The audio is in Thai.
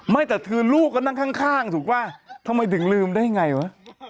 ไม่แต่คือลูกก็นั่งข้างถูกป่ะทำไมถึงลืมได้ไงวะ